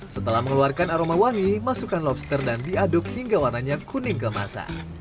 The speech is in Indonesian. setelah mengeluarkan aroma wangi masukkan lobster dan diaduk hingga warnanya kuning kemasan